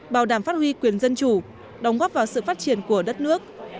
bảo đảm phát huy quyền dân chủ đóng góp vào sự phát triển của đất nước